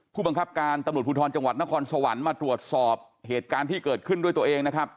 ผู้บังคับการตำรวจภูทรจังหวัดนครสวรรค์มาตรวจสอบเหตุการณ์ที่เกิดขึ้นด้วยตัวเองนะครับ